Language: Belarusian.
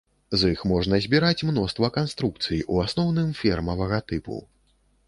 З іх можна збіраць мноства канструкцый, у асноўным фермавага тыпу.